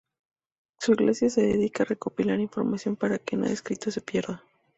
Su iglesia se dedica a recopilar información para que nada escrito se pierda.